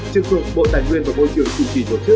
trực thuộc bộ tài nguyên và môi trường chủ trì tổ chức